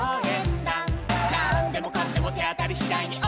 「なんでもかんでもてあたりしだいにおうえんだ！！」